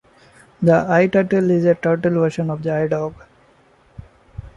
The iTurtle is a turtle version of the iDog.